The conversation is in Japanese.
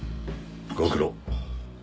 ご苦労。